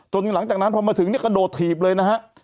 หลังจากนั้นพอมาถึงเนี่ยกระโดดถีบเลยนะฮะ